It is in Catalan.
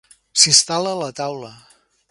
S'instal·la a la taula.